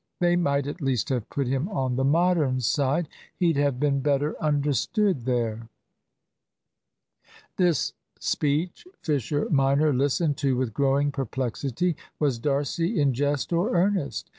They might at least have put him on the Modern side. He'd have been better understood there." This speech Fisher minor listened to with growing perplexity. Was D'Arcy in jest or earnest?